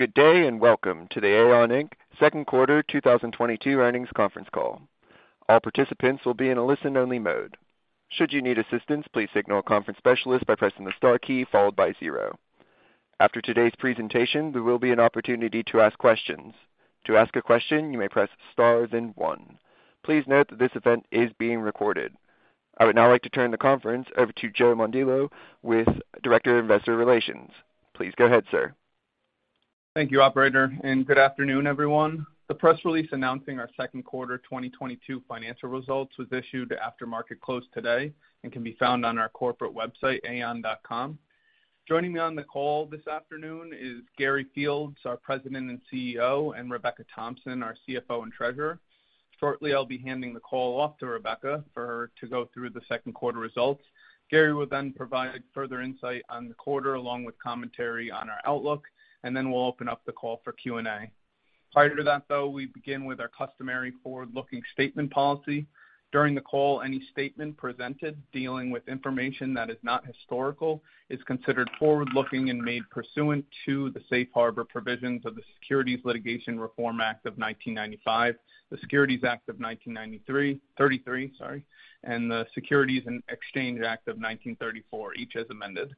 Good day, and welcome to the AAON, Inc. 2nd quarter 2022 earnings conference call. All participants will be in a listen-only mode. Should you need assistance, please signal a conference specialist by pressing the star key followed by zero. After today's presentation, there will be an opportunity to ask questions. To ask a question, you may press star, then one. Please note that this event is being recorded. I would now like to turn the conference over to Joseph Mondillo, Director of Investor Relations. Please go ahead, sir. Thank you, operator, and good afternoon, everyone. The press release announcing our 2nd quarter 2022 financial results was issued after market close today and can be found on our corporate website, aaon.com. Joining me on the call this afternoon is Gary Fields, our President and CEO, and Rebecca Thompson, our CFO and Treasurer. Shortly, I'll be handing the call off to Rebecca for her to go through the 2nd quarter results. Gary will then provide further insight on the quarter, along with commentary on our outlook, and then we'll open up the call for Q&A. Prior to that, though, we begin with our customary forward-looking statement policy. During the call, any statement presented dealing with information that is not historical is considered forward-looking and made pursuant to the Safe Harbor Provisions of the Securities Litigation Reform Act of 1995, the Securities Act of 1933, sorry, and the Securities Exchange Act of 1934, each as amended.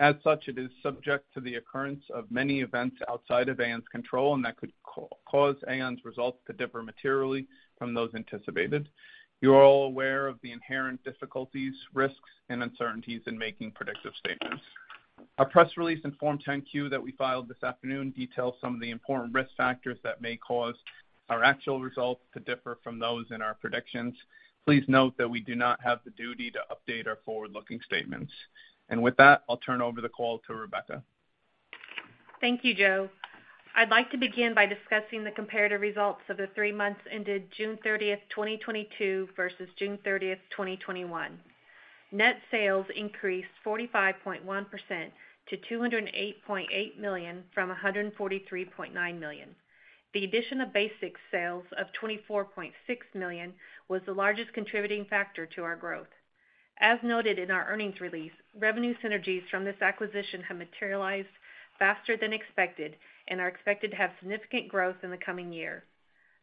As such, it is subject to the occurrence of many events outside of AAON's control and that could cause AAON's results to differ materially from those anticipated. You are all aware of the inherent difficulties, risks, and uncertainties in making predictive statements. Our press release in Form 10-Q that we filed this afternoon details some of the important risk factors that may cause our actual results to differ from those in our predictions. Please note that we do not have the duty to update our forward-looking statements. With that, I'll turn over the call to Rebecca. Thank you, Joe. I'd like to begin by discussing the comparative results of the three months ended June 30th, 2022 versus June 30th, 2021. Net sales increased 45.1% to $208.8 million from $143.9 million. The addition of BasX sales of $24.6 million was the largest contributing factor to our growth. As noted in our earnings release, revenue synergies from this acquisition have materialized faster than expected and are expected to have significant growth in the coming year.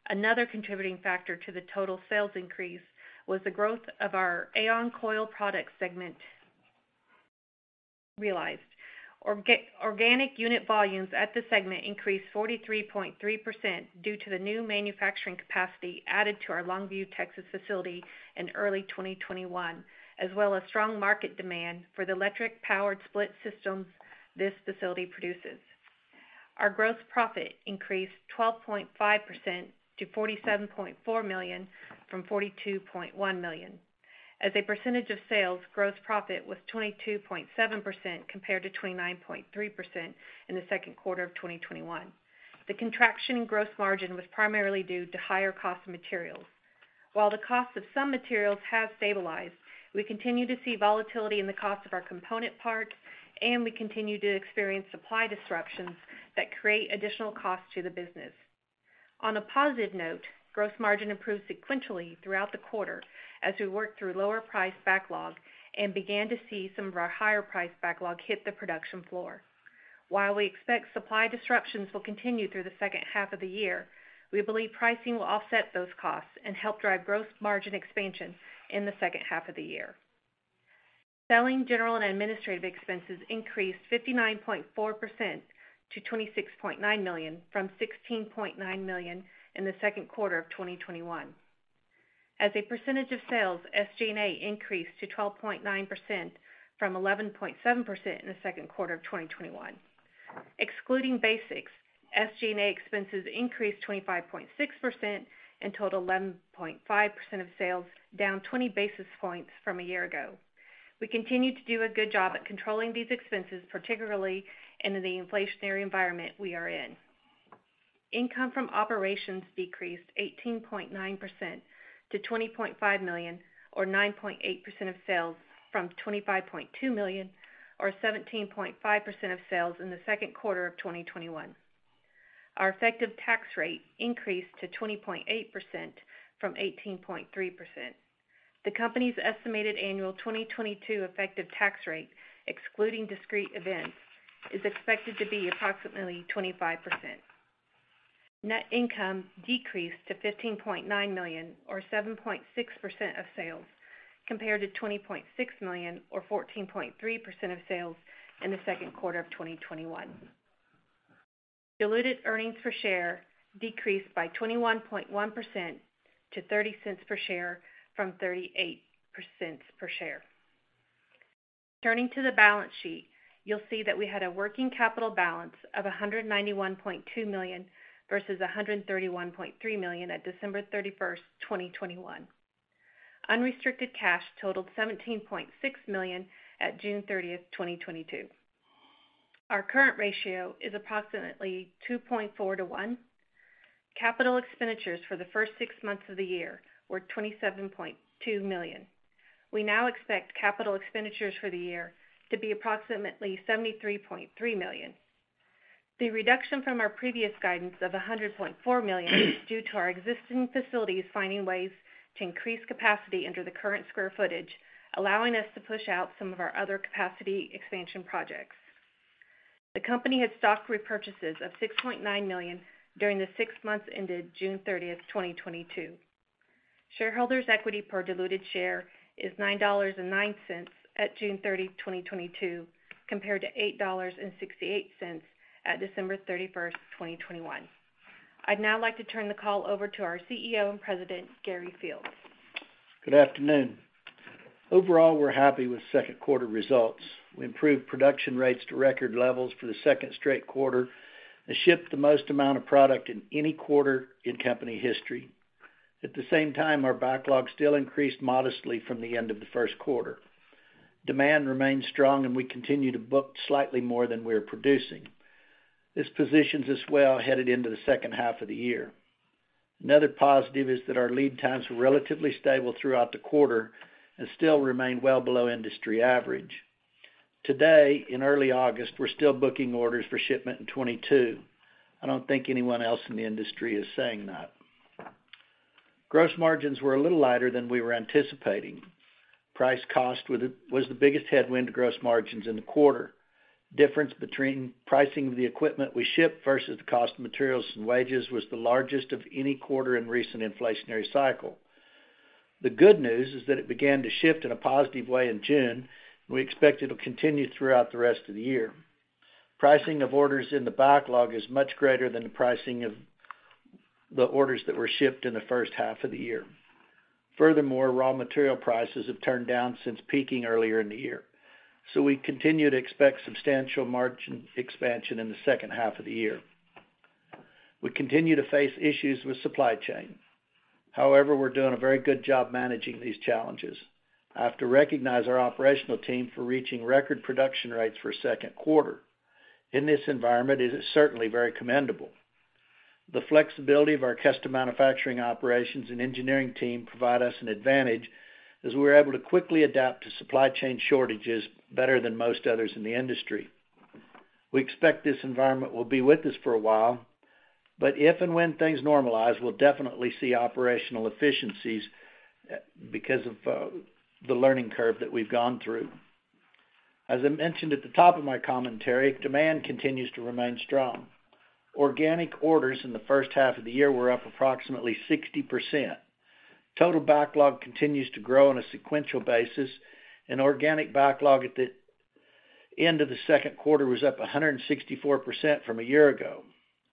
Another contributing factor to the total sales increase was the growth of our AAON Coil Products segment realized. Organic unit volumes at the segment increased 43.3% due to the new manufacturing capacity added to our Longview, Texas facility in early 2021, as well as strong market demand for the electric-powered split systems this facility produces. Our gross profit increased 12.5% to $47.4 million from $42.1 million. As a percentage of sales, gross profit was 22.7% compared to 29.3% in the 2nd quarter of 2021. The contraction in gross margin was primarily due to higher cost of materials. While the cost of some materials has stabilized, we continue to see volatility in the cost of our component parts, and we continue to experience supply disruptions that create additional costs to the business. On a positive note, gross margin improved sequentially throughout the quarter as we worked through lower priced backlog and began to see some of our higher priced backlog hit the production floor. While we expect supply disruptions will continue through the second half of the year, we believe pricing will offset those costs and help drive gross margin expansion in the second half of the year. Selling, general, and administrative expenses increased 59.4% to $26.9 million from $16.9 million in the 2nd quarter of 2021. As a percentage of sales, SG&A increased to 12.9% from 11.7% in the 2nd quarter of 2021. Excluding BasX, SG&A expenses increased 25.6% and totaled 11.5% of sales, down 20 basis points from a year ago. We continue to do a good job at controlling these expenses, particularly in the inflationary environment we are in. Income from operations decreased 18.9% to $20.5 million or 9.8% of sales from $25.2 million or 17.5% of sales in the 2nd quarter of 2021. Our effective tax rate increased to 20.8% from 18.3%. The company's estimated annual 2022 effective tax rate, excluding discrete events, is expected to be approximately 25%. Net income decreased to $15.9 million or 7.6% of sales, compared to $20.6 million or 14.3% of sales in the 2nd quarter of 2021. Diluted earnings per share decreased by 21.1% to $0.30 per share from thirty-eight cents per share. Turning to the balance sheet, you'll see that we had a working capital balance of $191.2 million versus $131.3 million at December 31, 2021. Unrestricted cash totaled $17.6 million at June 30, 2022. Our current ratio is approximately 2.4 to one. Capital expenditures for the first six months of the year were $27.2 million. We now expect capital expenditures for the year to be approximately $73.3 million. The reduction from our previous guidance of $100.4 million is due to our existing facilities finding ways to increase capacity under the current square footage, allowing us to push out some of our other capacity expansion projects. The company had stock repurchases of $6.9 million during the six months ended June 30, 2022. Shareholders' equity per diluted share is $9.09 at June 30, 2022, compared to $8.68 at December 31, 2021. I'd now like to turn the call over to our CEO and President, Gary Fields. Good afternoon. Overall, we're happy with 2nd quarter results. We improved production rates to record levels for the second straight quarter and shipped the most amount of product in any quarter in company history. At the same time, our backlog still increased modestly from the end of the 1st quarter. Demand remains strong, and we continue to book slightly more than we're producing. This positions us well headed into the second half of the year. Another positive is that our lead times were relatively stable throughout the quarter and still remain well below industry average. Today, in early August, we're still booking orders for shipment in 2022. I don't think anyone else in the industry is saying that. Gross margins were a little lighter than we were anticipating. Price-cost was the biggest headwind to gross margins in the quarter. Difference between pricing of the equipment we ship versus the cost of materials and wages was the largest of any quarter in recent inflationary cycle. The good news is that it began to shift in a positive way in June, and we expect it'll continue throughout the rest of the year. Pricing of orders in the backlog is much greater than the pricing of the orders that were shipped in the first half of the year. Furthermore, raw material prices have turned down since peaking earlier in the year, so we continue to expect substantial margin expansion in the second half of the year. We continue to face issues with supply chain. However, we're doing a very good job managing these challenges. I have to recognize our operational team for reaching record production rates for a 2nd quarter. In this environment, it is certainly very commendable. The flexibility of our custom manufacturing operations and engineering team provide us an advantage as we're able to quickly adapt to supply chain shortages better than most others in the industry. We expect this environment will be with us for a while, but if and when things normalize, we'll definitely see operational efficiencies because of the learning curve that we've gone through. As I mentioned at the top of my commentary, demand continues to remain strong. Organic orders in the first half of the year were up approximately 60%. Total backlog continues to grow on a sequential basis, and organic backlog at the end of the 2nd quarter was up 164% from a year ago.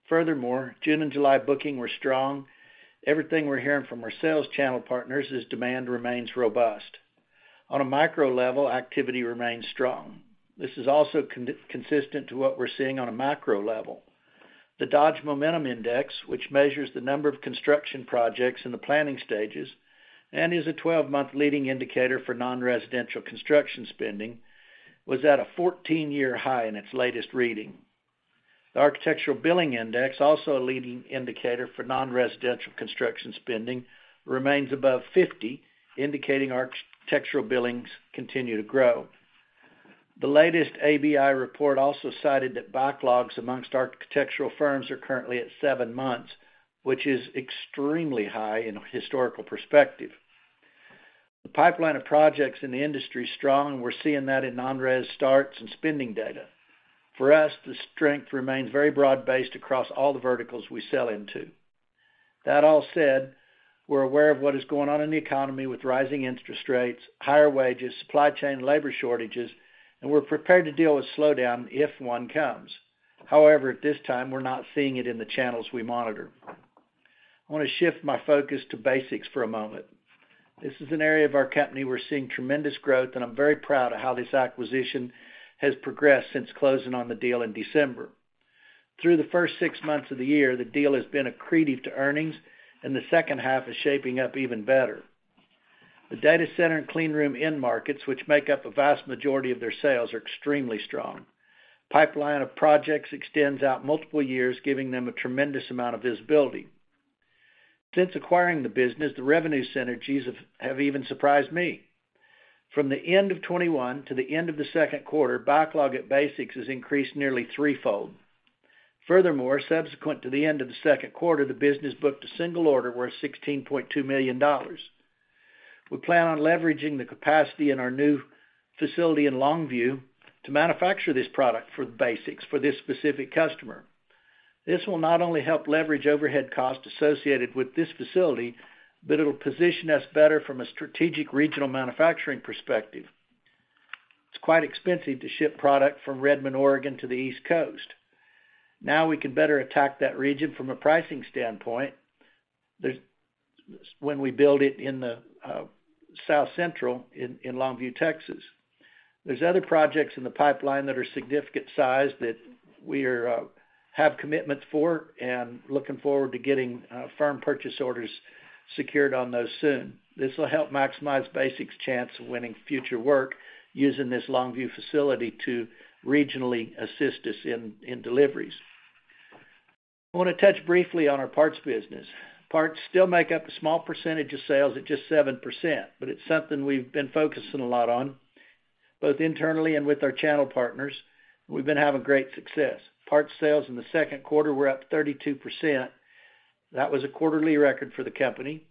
Furthermore, June and July bookings were strong. Everything we're hearing from our sales channel partners is that demand remains robust. On a micro level, activity remains strong. This is also consistent to what we're seeing on a macro level. The Dodge Momentum Index, which measures the number of construction projects in the planning stages and is a 12-month leading indicator for non-residential construction spending, was at a 14-year high in its latest reading. The Architectural Billings Index, also a leading indicator for non-residential construction spending, remains above 50, indicating architectural billings continue to grow. The latest ABI report also cited that backlogs amongst architectural firms are currently at seven months, which is extremely high in a historical perspective. The pipeline of projects in the industry is strong, and we're seeing that in non-res starts and spending data. For us, the strength remains very broad-based across all the verticals we sell into. That all said, we're aware of what is going on in the economy with rising interest rates, higher wages, supply chain and labor shortages, and we're prepared to deal with slowdown if one comes. However, at this time, we're not seeing it in the channels we monitor. I want to shift my focus to BasX for a moment. This is an area of our company we're seeing tremendous growth, and I'm very proud of how this acquisition has progressed since closing on the deal in December. Through the first six months of the year, the deal has been accretive to earnings, and the second half is shaping up even better. The data center and clean room end markets, which make up a vast majority of their sales, are extremely strong. Pipeline of projects extends out multiple years, giving them a tremendous amount of visibility. Since acquiring the business, the revenue synergies have even surprised me. From the end of 2021 to the end of the 2nd quarter, backlog at BasX has increased nearly threefold. Furthermore, subsequent to the end of the 2nd quarter, the business booked a single order worth $16.2 million. We plan on leveraging the capacity in our new facility in Longview to manufacture this product for BasX for this specific customer. This will not only help leverage overhead costs associated with this facility, but it'll position us better from a strategic regional manufacturing perspective. It's quite expensive to ship product from Redmond, Oregon, to the East Coast. Now we can better attack that region from a pricing standpoint. When we build it in the South Central in Longview, Texas. There are other projects in the pipeline that are significant size that we have commitments for and looking forward to getting firm purchase orders secured on those soon. This will help maximize BasX's chance of winning future work using this Longview facility to regionally assist us in deliveries. I wanna touch briefly on our parts business. Parts still make up a small percentage of sales at just 7%, but it's something we've been focusing a lot on, both internally and with our channel partners. We've been having great success. Parts sales in the 2nd quarter were up 32%. That was a quarterly record for the company.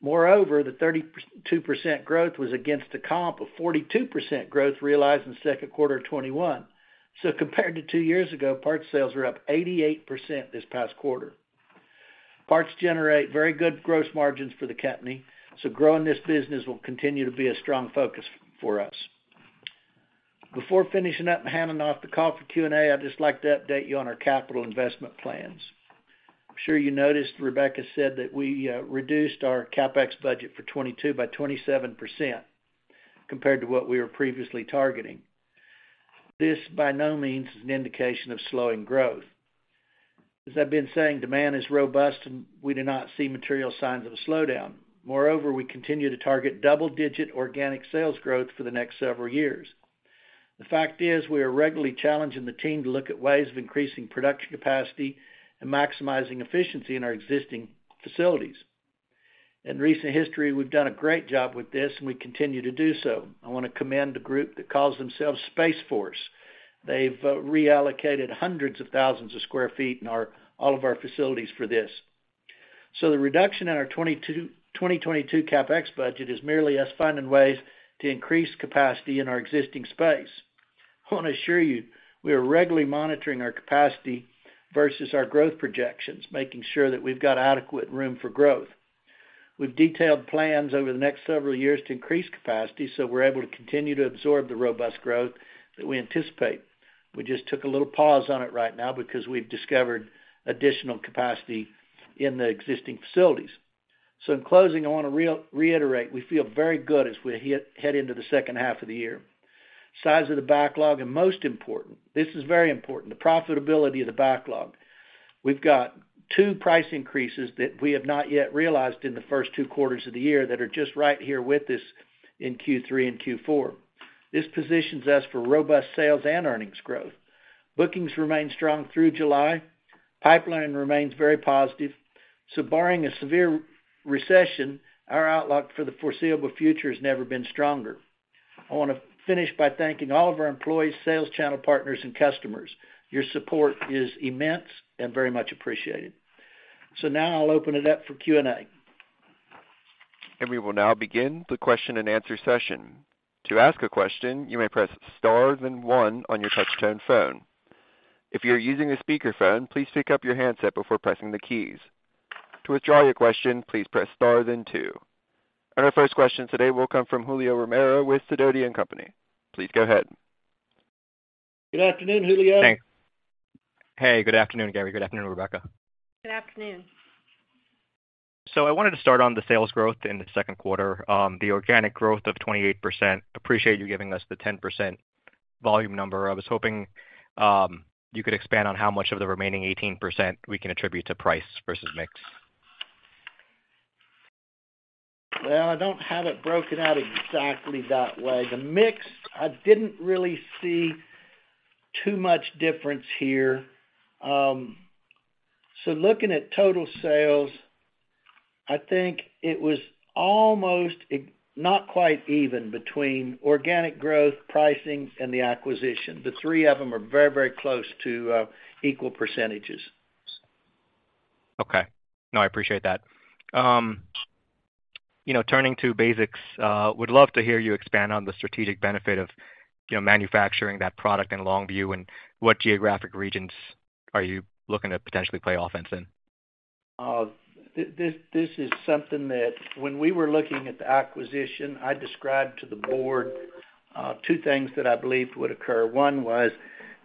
Moreover, the 32% growth was against the comp of 42% growth realized in 2nd quarter 2021. So compared to two years ago, parts sales were up 88% this past quarter. Parts generate very good gross margins for the company, so growing this business will continue to be a strong focus for us. Before finishing up and handing off the call for Q&A, I'd just like to update you on our capital investment plans. I'm sure you noticed Rebecca said that we reduced our CapEx budget for 2022 by 27% compared to what we were previously targeting. This by no means is an indication of slowing growth. As I've been saying, demand is robust, and we do not see material signs of a slowdown. Moreover, we continue to target double-digit organic sales growth for the next several years. The fact is, we are regularly challenging the team to look at ways of increasing production capacity and maximizing efficiency in our existing facilities. In recent history, we've done a great job with this, and we continue to do so. I wanna commend the group that calls themselves Space Force. They've reallocated hundreds of thousands of sq ft in all of our facilities for this. The reduction in our 2022 CapEx budget is merely us finding ways to increase capacity in our existing space. I wanna assure you, we are regularly monitoring our capacity versus our growth projections, making sure that we've got adequate room for growth, with detailed plans over the next several years to increase capacity, so we're able to continue to absorb the robust growth that we anticipate. We just took a little pause on it right now because we've discovered additional capacity in the existing facilities. In closing, I wanna reiterate we feel very good as we head into the second half of the year. Size of the backlog and most important, this is very important, the profitability of the backlog. We've got two price increases that we have not yet realized in the first two quarters of the year that are just right here with us in Q3 and Q4. This positions us for robust sales and earnings growth. Bookings remain strong through July. Pipeline remains very positive. Barring a severe recession, our outlook for the foreseeable future has never been stronger. I wanna finish by thanking all of our employees, sales channel partners, and customers. Your support is immense and very much appreciated. Now I'll open it up for Q&A. We will now begin the question-and-answer session. To ask a question, you may press star then one on your touch tone phone. If you're using a speakerphone, please pick up your handset before pressing the keys. To withdraw your question, please press star then two. Our first question today will come from Julio Romero with Sidoti & Company. Please go ahead. Good afternoon, Julio. Thanks. Hey, good afternoon, Gary. Good afternoon, Rebecca. Good afternoon. I wanted to start on the sales growth in the 2nd quarter, the organic growth of 28%. Appreciate you giving us the 10% volume number. I was hoping you could expand on how much of the remaining 18% we can attribute to price versus mix. Well, I don't have it broken out exactly that way. The mix, I didn't really see too much difference here. Looking at total sales, I think it was almost not quite even between organic growth, pricing, and the acquisition. The three of them are very, very close to equal percentages. Okay. No, I appreciate that. You know, turning to BasX, would love to hear you expand on the strategic benefit of, you know, manufacturing that product in Longview, and what geographic regions are you looking to potentially play offense in? This is something that when we were looking at the acquisition, I described to the board two things that I believed would occur. One was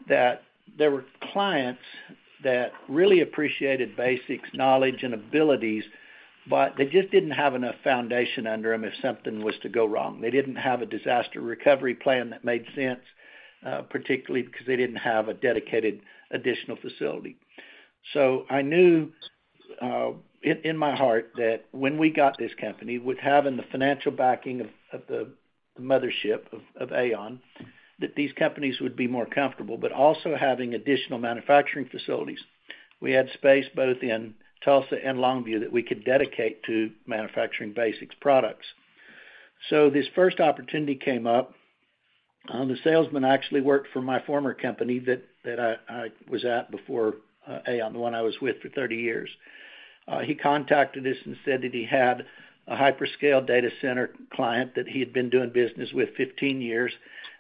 that there were clients that really appreciated BasX's knowledge and abilities, but they just didn't have enough foundation under them if something was to go wrong. They didn't have a disaster recovery plan that made sense, particularly because they didn't have a dedicated additional facility. I knew in my heart that when we got this company, with having the financial backing of the mothership of AAON, that these companies would be more comfortable, but also having additional manufacturing facilities. We had space both in Tulsa and Longview that we could dedicate to manufacturing BasX products. This first opportunity came up. The salesman actually worked for my former company that I was at before AAON, the one I was with for 30 years. He contacted us and said that he had a hyperscale data center client that he had been doing business with 15 years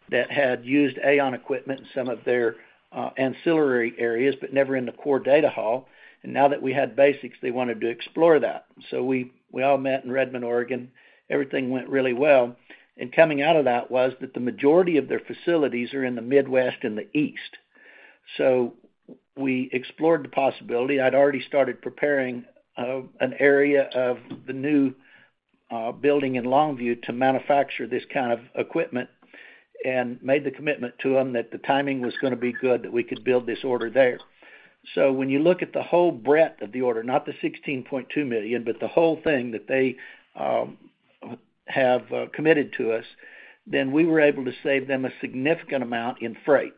that had used AAON equipment in some of their ancillary areas, but never in the core data hall. Now that we had BasX, they wanted to explore that. We all met in Redmond, Oregon. Everything went really well. Coming out of that was that the majority of their facilities are in the Midwest and the East. We explored the possibility. I'd already started preparing an area of the new building in Longview to manufacture this kind of equipment and made the commitment to them that the timing was gonna be good, that we could build this order there. When you look at the whole breadth of the order, not the $16.2 million, but the whole thing that they have committed to us, then we were able to save them a significant amount in freight.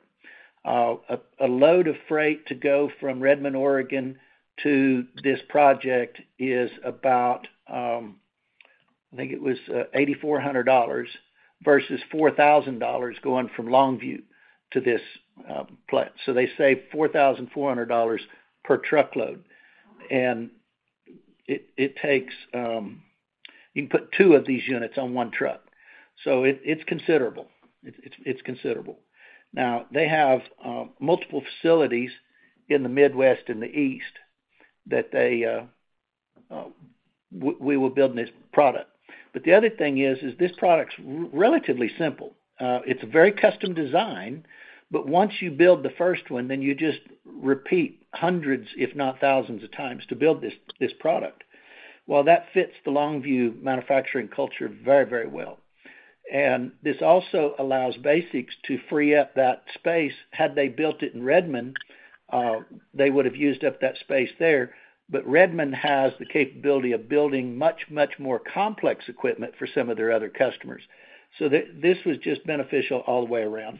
A load of freight to go from Redmond, Oregon, to this project is about, I think it was, $8,400 versus $4,000 going from Longview to this plant. They save $4,400 per truckload. You can put two of these units on one truck, so it's considerable. It's considerable. Now, they have multiple facilities in the Midwest and the East that they were building this product. The other thing is this product's relatively simple. It's a very custom design, but once you build the first one, then you just repeat hundreds if not thousands of times to build this product. Well, that fits the Longview manufacturing culture very, very well. This also allows BasX to free up that space. Had they built it in Redmond, they would have used up that space there, but Redmond has the capability of building much, much more complex equipment for some of their other customers. This was just beneficial all the way around.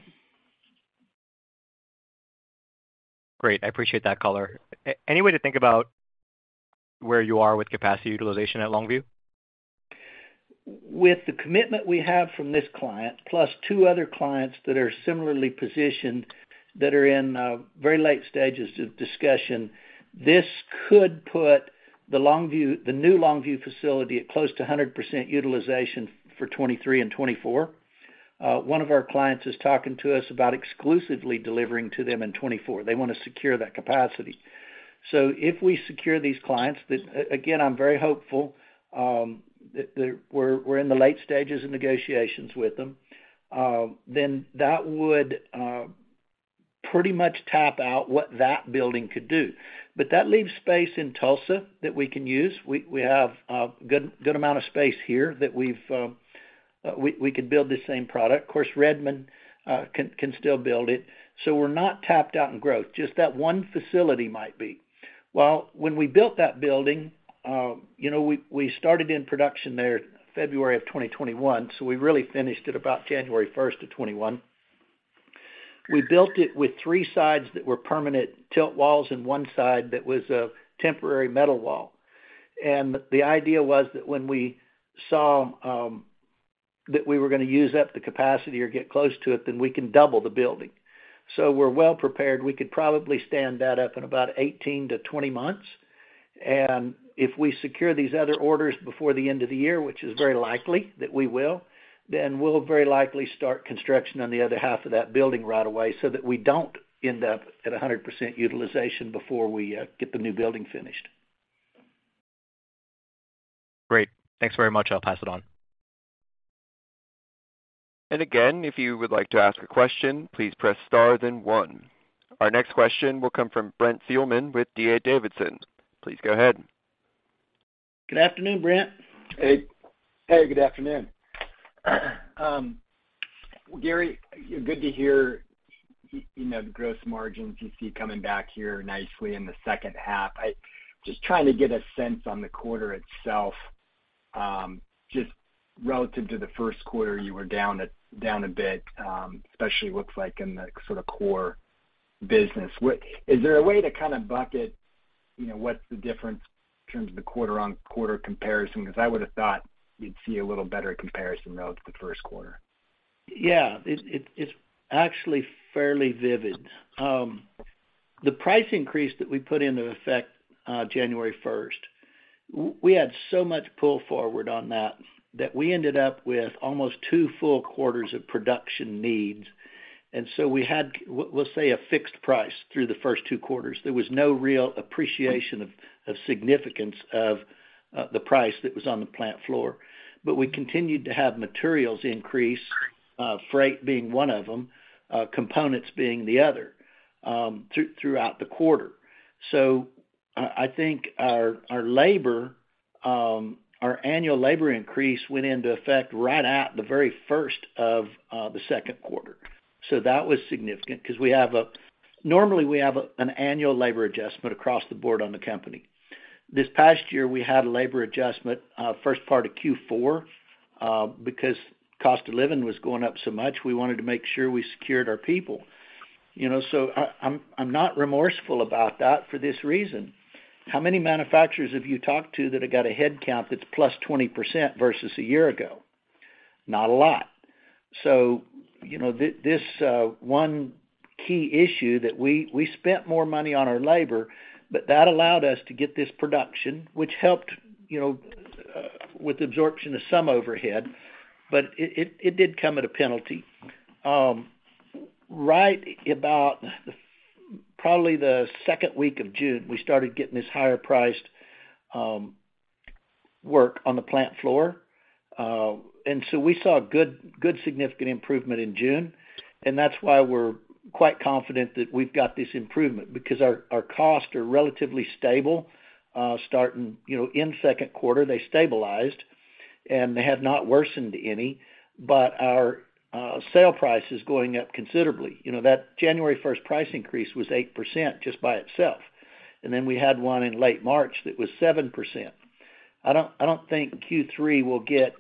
Great. I appreciate that color. Any way to think about where you are with capacity utilization at Longview? With the commitment we have from this client, plus two other clients that are similarly positioned that are in very late stages of discussion, this could put the new Longview facility at close to 100% utilization for 2023 and 2024. One of our clients is talking to us about exclusively delivering to them in 2024. They wanna secure that capacity. If we secure these clients, this. Again, I'm very hopeful. We're in the late stages of negotiations with them, then that would pretty much tap out what that building could do. That leaves space in Tulsa that we can use. We have a good amount of space here that we've, we could build the same product. Of course, Redmond can still build it. We're not tapped out in growth, just that one facility might be. When we built that building, you know, we started in production there February of 2021, so we really finished it about January first of 2021. We built it with three sides that were permanent tilt walls and one side that was a temporary metal wall. The idea was that when we saw that we were gonna use up the capacity or get close to it, then we can double the building. We're well prepared. We could probably stand that up in about 18-20 months. If we secure these other orders before the end of the year, which is very likely that we will, then we'll very likely start construction on the other half of that building right away so that we don't end up at 100% utilization before we get the new building finished. Great. Thanks very much. I'll pass it on. Again, if you would like to ask a question, please press star then one. Our next question will come from Brent Thielman with D.A. Davidson & Co. Please go ahead. Good afternoon, Brent. Hey. Hey, good afternoon. Gary, good to hear you know, the gross margins you see coming back here nicely in the second half. Just trying to get a sense on the quarter itself, just relative to the 1st quarter, you were down a bit, especially looks like in the sort of core business. Is there a way to kind of bucket, you know, what's the difference in terms of the quarter-over-quarter comparison? 'Cause I would've thought you'd see a little better comparison relative to the 1st quarter. Yeah. It's actually fairly vivid. The price increase that we put into effect January first, we had so much pull forward on that that we ended up with almost two full quarters of production needs. We had, we'll say, a fixed price through the first two quarters. There was no real appreciation of significance of the price that was on the plant floor. We continued to have materials increase, freight being one of them, components being the other, throughout the quarter. I think our annual labor increase went into effect right at the very first of the 2nd quarter. That was significant 'cause we have an annual labor adjustment across the board on the company. This past year, we had a labor adjustment, first part of Q4, because cost of living was going up so much, we wanted to make sure we secured our people. You know, I'm not remorseful about that for this reason. How many manufacturers have you talked to that have got a headcount that's plus 20% versus a year ago? Not a lot. You know, this one key issue that we spent more money on our labor, but that allowed us to get this production, which helped, you know, with absorption of some overhead, but it did come at a penalty. Right about probably the second week of June, we started getting this higher priced work on the plant floor. We saw a good significant improvement in June, and that's why we're quite confident that we've got this improvement because our costs are relatively stable. You know, in 2nd quarter, they stabilized, and they have not worsened any, but our sale price is going up considerably. You know, that January first price increase was 8% just by itself. Then we had one in late March that was 7%. I don't think Q3 will get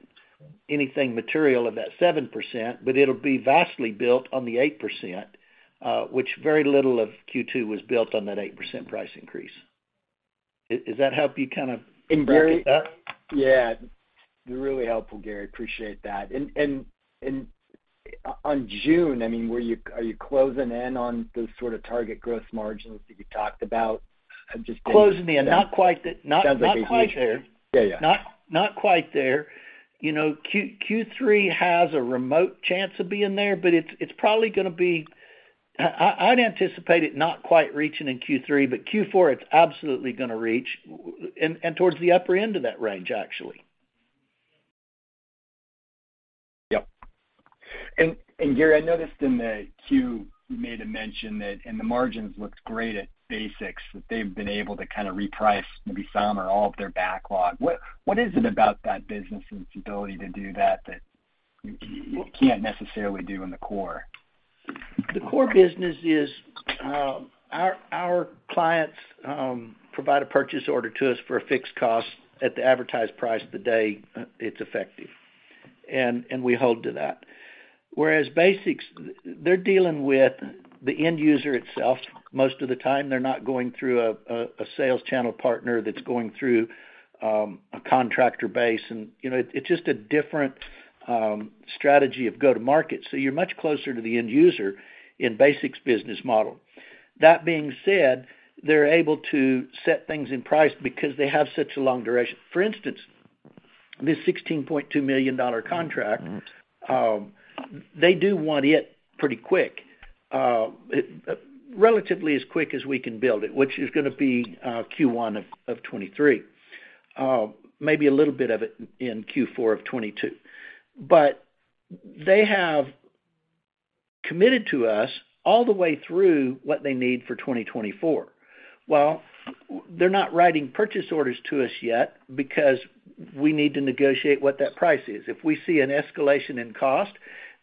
anything material of that 7%, but it'll be vastly built on the 8%, which very little of Q2 was built on that 8% price increase. Does that help you kind of? Gary. Bracket that? Yeah. You're really helpful, Gary. Appreciate that. On June, I mean, are you closing in on those sort of target growth margins that you talked about? I'm just- Closing in. Sounds like you're close there. Not quite there. Yeah, yeah. Not quite there. You know, Q3 has a remote chance of being there, but it's probably gonna be. I'd anticipate it not quite reaching in Q3, but Q4, it's absolutely gonna reach and towards the upper end of that range, actually. Yep. Gary, I noticed in the Q, you made a mention that the margins looked great at BasX, that they've been able to kind of reprice maybe some or all of their backlog. What is it about that business and its ability to do that you can't necessarily do in the core? The core business is our clients provide a purchase order to us for a fixed cost at the advertised price the day it's effective, and we hold to that. Whereas BasX, they're dealing with the end user itself most of the time. They're not going through a sales channel partner that's going through a contractor base. You know, it's just a different strategy of go-to-market, so you're much closer to the end user in BasX business model. That being said, they're able to set things in price because they have such a long duration. For instance, this $16.2 million contract, they do want it pretty quick, relatively as quick as we can build it, which is gonna be Q1 of 2023, maybe a little bit of it in Q4 of 2022. They have committed to us all the way through what they need for 2024. Well, they're not writing purchase orders to us yet because we need to negotiate what that price is. If we see an escalation in cost,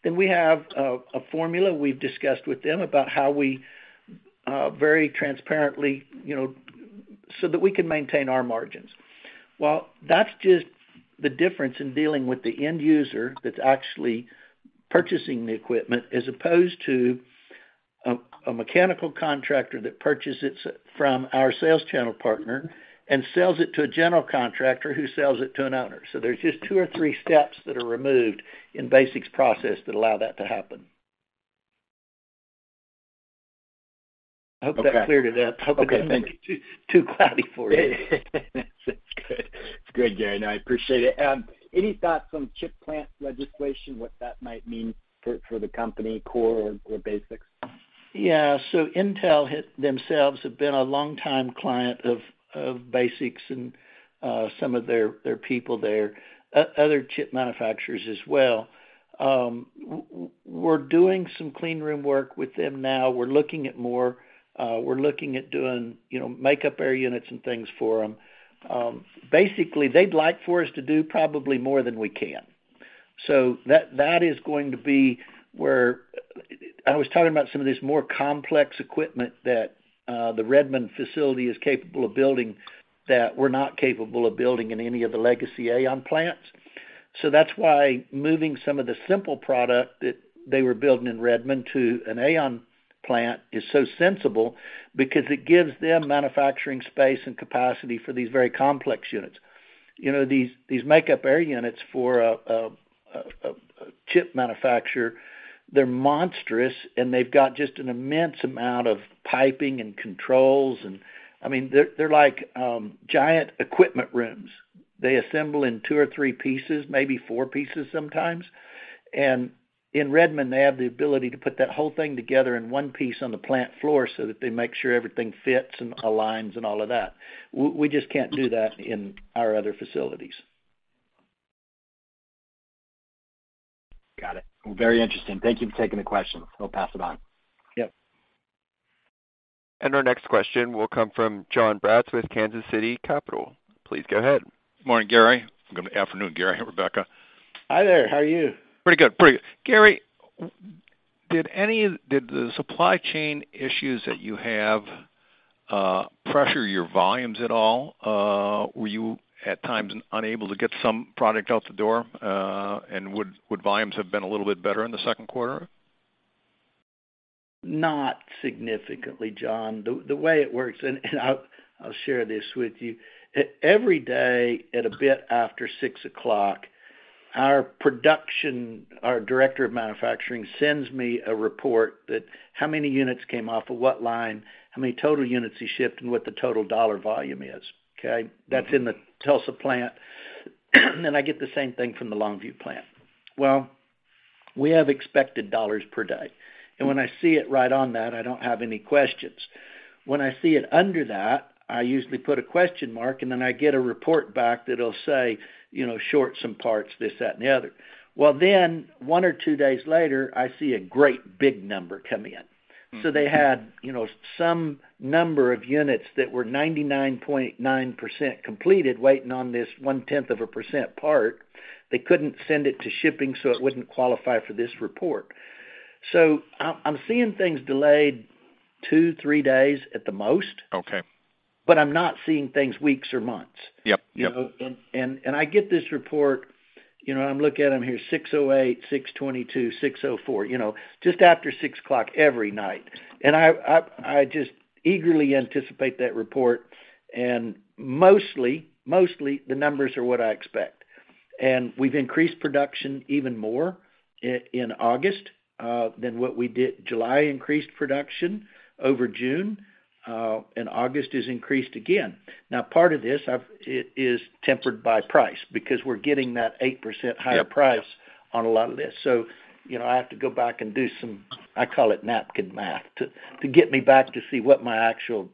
then we have a formula we've discussed with them about how we very transparently, you know, so that we can maintain our margins. Well, that's just the difference in dealing with the end user that's actually purchasing the equipment as opposed to a mechanical contractor that purchases from our sales channel partner and sells it to a general contractor who sells it to an owner. There's just two or three steps that are removed in BasX's process that allow that to happen. Okay. Hope that cleared it up. Okay, thank you. Hope it wasn't too cloudy for you. That's good. It's good, Gary. No, I appreciate it. Any thoughts on chip plant legislation, what that might mean for the company, Coil or BasX? Yeah. Intel themselves have been a longtime client of BasX and some of their people there, other chip manufacturers as well. We're doing some clean room work with them now. We're looking at more, we're looking at doing, you know, make-up air units and things for 'em. Basically, they'd like for us to do probably more than we can. That is going to be where I was talking about some of this more complex equipment that the Redmond facility is capable of building that we're not capable of building in any of the legacy AAON plants. That's why moving some of the simple product that they were building in Redmond to an AAON plant is so sensible because it gives them manufacturing space and capacity for these very complex units. You know, these Make-Up Air Units for a chip manufacturer, they're monstrous, and they've got just an immense amount of piping and controls. I mean, they're like giant equipment rooms. They assemble in two or three pieces, maybe four pieces sometimes. In Redmond, they have the ability to put that whole thing together in one piece on the plant floor so that they make sure everything fits and aligns and all of that. We just can't do that in our other facilities. Got it. Very interesting. Thank you for taking the questions. I'll pass it on. Yep. Our next question will come from John Braatz with Kansas City Capital. Please go ahead. Morning, Gary. Good afternoon, Gary and Rebecca. Hi there. How are you? Pretty good. Gary, did any of the supply chain issues that you have pressure your volumes at all? Were you at times unable to get some product out the door, and would volumes have been a little bit better in the 2nd quarter? Not significantly, John. The way it works, and I'll share this with you. Every day at a bit after six o'clock, our production, our director of manufacturing sends me a report that how many units came off of what line, how many total units he shipped, and what the total dollar volume is. Okay? Mm-hmm. That's in the Tulsa plant, and I get the same thing from the Longview plant. Well, we have expected dollars per day, and when I see it right on that, I don't have any questions. When I see it under that, I usually put a question mark, and then I get a report back that'll say, you know, short some parts, this, that, and the other. Well, then one or two days later, I see a great big number come in. Mm-hmm. They had, you know, some number of units that were 99.9% completed waiting on this 0.1% part. They couldn't send it to shipping, so it wouldn't qualify for this report. I'm seeing things delayed two to three days at the most. Okay. I'm not seeing things weeks or months. Yep. Yep. You know, I get this report, you know. I'm looking at them here, 6:08 P.M., 6:22 P.M., 6:04 P.M., you know, just after six o'clock every night. I just eagerly anticipate that report. Mostly the numbers are what I expect. We've increased production even more in August than what we did. July increased production over June, and August is increased again. Now part of this is tempered by price because we're getting that 8% higher. Yep. price on a lot of this. You know, I have to go back and do some, I call it napkin math, to get me back to see what my actual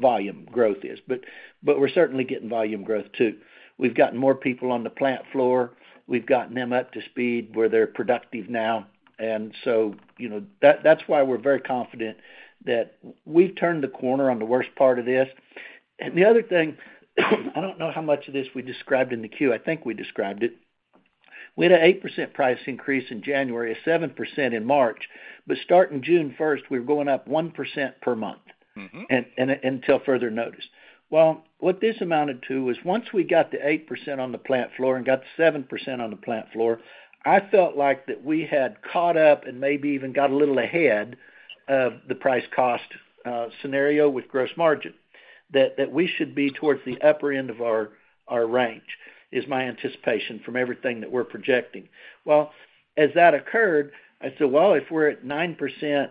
volume growth is. But we're certainly getting volume growth too. We've gotten more people on the plant floor. We've gotten them up to speed where they're productive now. You know, that's why we're very confident that we've turned the corner on the worst part of this. The other thing, I don't know how much of this we described in the Q. I think we described it. We had an 8% price increase in January, a 7% in March, but starting June first, we're going up 1% per month. Mm-hmm. Until further notice. Well, what this amounted to is once we got the 8% on the plant floor and got the 7% on the plant floor, I felt like that we had caught up and maybe even got a little ahead of the price cost scenario with gross margin, that we should be towards the upper end of our range, is my anticipation from everything that we're projecting. Well, as that occurred, I said, "Well, if we're at 9%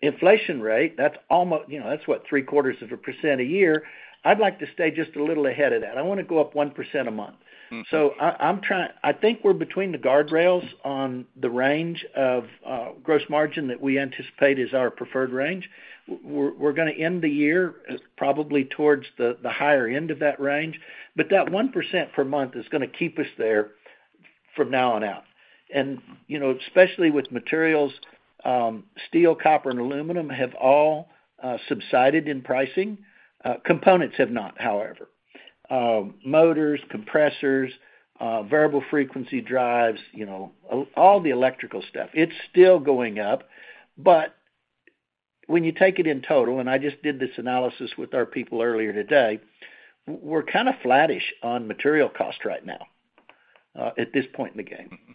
inflation rate, you know, that's what? Three-quarters of a percentage a year. I'd like to stay just a little ahead of that. I wanna go up 1% a month. Mm-hmm. I think we're between the guardrails on the range of gross margin that we anticipate is our preferred range. We're gonna end the year probably towards the higher end of that range. That 1% per month is gonna keep us there from now on out. You know, especially with materials, steel, copper, and aluminum have all subsided in pricing. Components have not, however. Motors, compressors, variable frequency drives, all the electrical stuff, it's still going up. When you take it in total, and I just did this analysis with our people earlier today, we're kind of flattish on material cost right now, at this point in the game. Mm-hmm.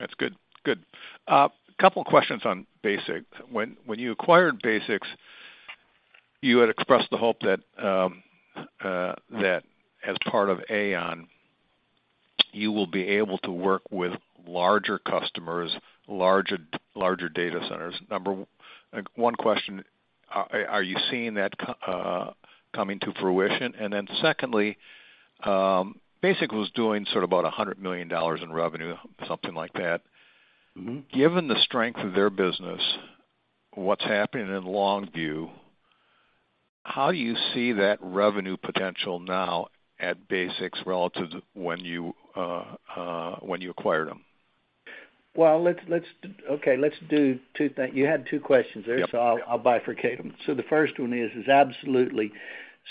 That's good. Good. A couple questions on BasX. When you acquired BasX, you had expressed the hope that as part of AAON, you will be able to work with larger customers, larger data centers. Number one question, are you seeing that coming to fruition? Then secondly, BasX was doing sort of about $100 million in revenue, something like that. Mm-hmm. Given the strength of their business, what's happening in Longview, how do you see that revenue potential now at BasX relative when you acquired them? Okay, let's do two things. You had two questions there. Yep. I'll bifurcate them. The first one is absolutely.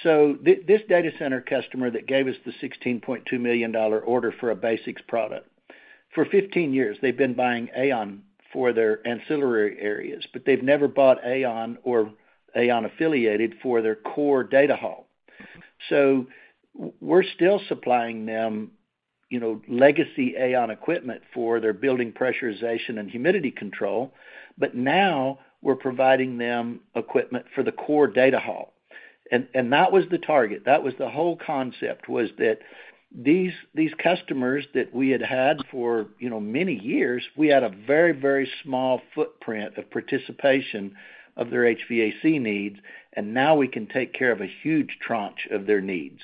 This data center customer that gave us the $16.2 million order for a BasX product, for 15 years they've been buying AAON for their ancillary areas, but they've never bought AAON or AAON-affiliated for their core data hub. We're still supplying them, you know, legacy AAON equipment for their building pressurization and humidity control, but now we're providing them equipment for the core data hub. That was the target. That was the whole concept, was that these customers that we had had for, you know, many years, we had a very, very small footprint of participation of their HVAC needs, and now we can take care of a huge tranche of their needs.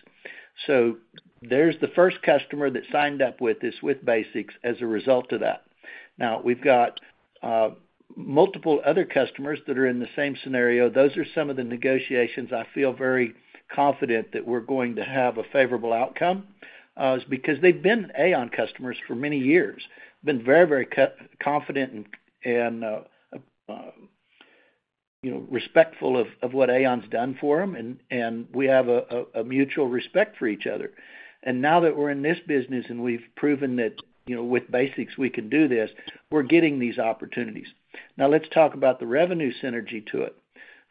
There's the first customer that signed up with this with BasX as a result of that. Now, we've got multiple other customers that are in the same scenario. Those are some of the negotiations I feel very confident that we're going to have a favorable outcome is because they've been AAON customers for many years. Been very confident and you know, respectful of what AAON's done for them and we have a mutual respect for each other. Now that we're in this business and we've proven that you know, with BasX we can do this, we're getting these opportunities. Now let's talk about the revenue synergy to it.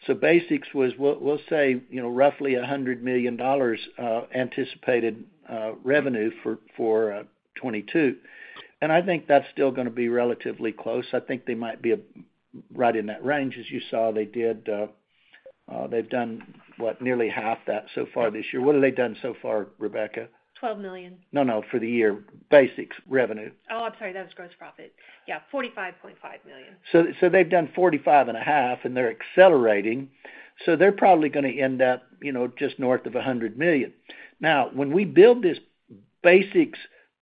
BasX was, we'll say you know, roughly $100 million anticipated revenue for 2022. I think that's still gonna be relatively close. I think they might be right in that range. As you saw, they've done what? Nearly half that so far this year. What have they done so far, Rebecca? $12 million. No. For the year. AAON's revenue. Oh, I'm sorry. That was gross profit. Yeah, $45.5 million. They've done $45.5 million and they're accelerating, so they're probably gonna end up, you know, just north of $100 million. Now, when we build this BasX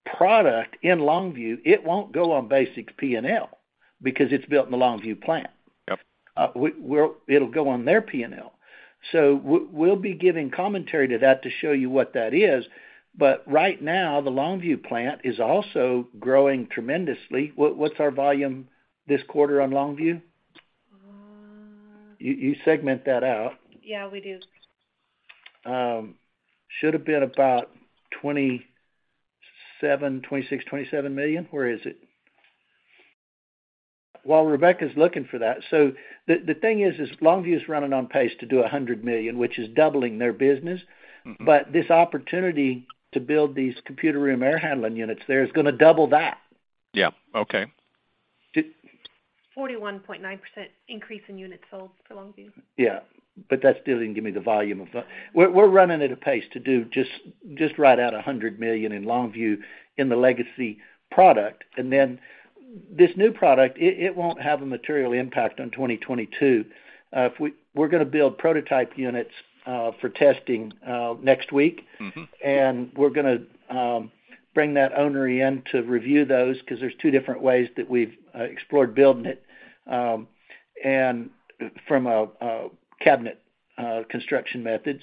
product in Longview, it won't go on BasX P&L because it's built in the Longview plant. Yep. It'll go on their P&L. We'll be giving commentary to that to show you what that is, but right now the Longview plant is also growing tremendously. What's our volume this quarter on Longview? You segment that out. Yeah, we do. Should have been about $26 million-$27 million. Where is it? While Rebecca's looking for that, the thing is Longview is running on pace to do $100 million, which is doubling their business. Mm-hmm. This opportunity to build these Computer Room Air Handling Units there is gonna double that. Yeah. Okay. Did- 41.9% increase in units sold for Longview. That still didn't give me the volume of. We're running at a pace to do just right at $100 million in Longview in the legacy product. This new product, it won't have a material impact on 2022. We're gonna build prototype units for testing next week. Mm-hmm. We're gonna bring that owner in to review those 'cause there's two different ways that we've explored building it, and from a cabinet construction methods.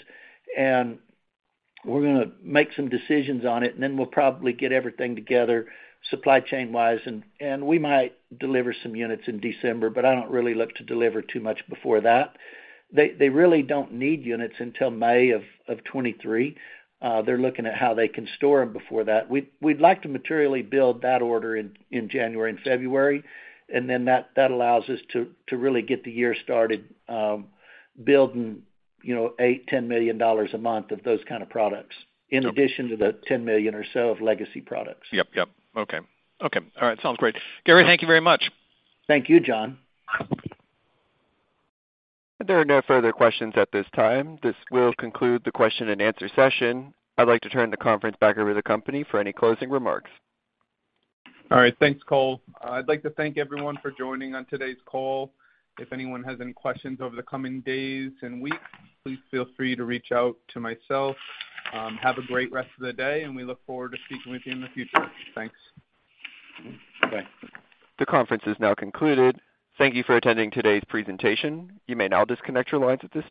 We're gonna make some decisions on it, and then we'll probably get everything together supply chain-wise and we might deliver some units in December, but I don't really look to deliver too much before that. They really don't need units until May of 2023. They're looking at how they can store them before that. We'd like to materially build that order in January and February, and then that allows us to really get the year started, building, you know, $8-$10 million a month of those kind of products. Yep. In addition to the $10 million or so of legacy products. Yep, yep. Okay. Okay. All right, sounds great. Gary, thank you very much. Thank you, John. There are no further questions at this time. This will conclude the question and answer session. I'd like to turn the conference back over to the company for any closing remarks. All right, thanks, Cole. I'd like to thank everyone for joining on today's call. If anyone has any questions over the coming days and weeks, please feel free to reach out to myself. Have a great rest of the day, and we look forward to speaking with you in the future. Thanks. Okay. The conference is now concluded. Thank you for attending today's presentation. You may now disconnect your lines at this time.